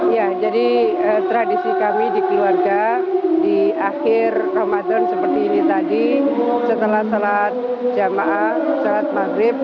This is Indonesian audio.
ya jadi tradisi kami di keluarga di akhir ramadan seperti ini tadi setelah sholat jamaah sholat maghrib